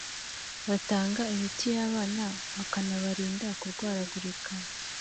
batanga imitiyabana bakanabarinda kurwaragurika .